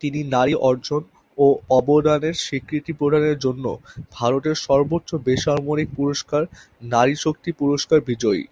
তিনি নারী অর্জন ও অবদানের স্বীকৃতি প্রদানের জন্য ভারতের সর্বোচ্চ বেসামরিক পুরস্কার নারী শক্তি পুরস্কার বিজয়ী।